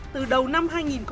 từ đầu năm hai nghìn hai mươi ba